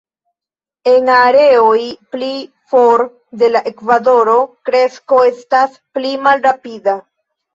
En areoj pli for de la ekvatoro kresko estas pli malrapida.